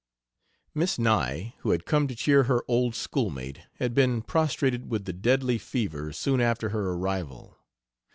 Miss Nye, who had come to cheer her old schoolmate, had been prostrated with the deadly fever soon after her arrival.